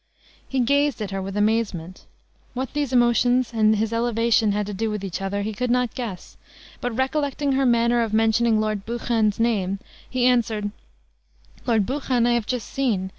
He gazed at her with amazement. What these emotions and his elevation had to do with each other, he could not guess; but, recollecting her manner of mentioning Lord Buchan's name, he answered, "Lord Buchan I have just seen.